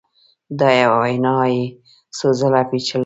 دا یوه وینا یې څو ځله پېچله